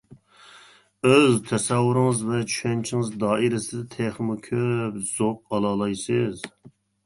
ئۆز تەسەۋۋۇرىڭىز ۋە چۈشەنچىڭىز دائىرىسىدە تېخىمۇ كۆپ زوق ئالالايسىز.